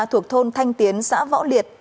thuộc thôn thanh tiến xã võ liệt